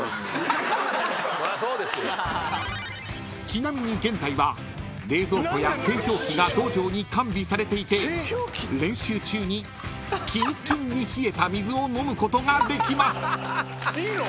［ちなみに現在は冷蔵庫や製氷機が道場に完備されていて練習中にキンキンに冷えた水を飲むことができます］いいの！？